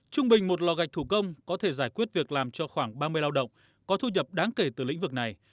trung bình một lò gạch thủ công có thể giải quyết việc làm cho khoảng ba mươi lao động có thu nhập đáng kể từ lĩnh vực này